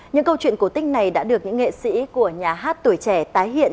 những câu chuyện cổ tích này đã được những nghệ sĩ của nhà hát tuổi trẻ tái hiện